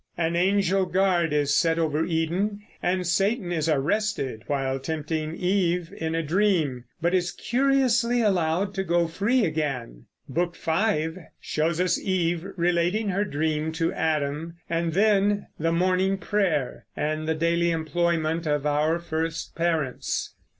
An angel guard is set over Eden, and Satan is arrested while tempting Eve in a dream, but is curiously allowed to go free again. Book V shows us Eve relating her dream to Adam, and then the morning prayer and the daily employment of our first parents.